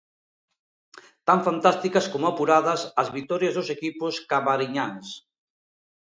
Tan fantásticas como apuradas as vitorias dos equipos camariñáns.